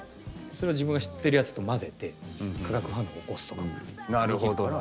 それを自分が知ってるやつと混ぜて化学反応を起こすとかもできるから。